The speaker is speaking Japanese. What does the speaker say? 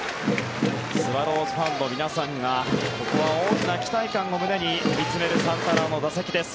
スワローズファンの皆さんがここは大きな期待感を胸に見つめるサンタナの打席です。